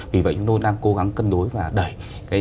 vì vậy chúng tôi đang cố gắng cân đối và đẩy